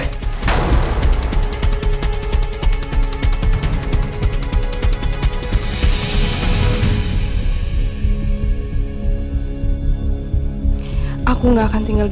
ya kamu mau rasating itu barnan english